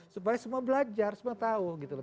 supaya semua belajar semua tahu gitu loh